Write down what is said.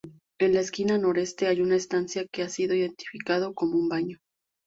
En la esquina noreste hay una estancia que se ha identificado como un baño.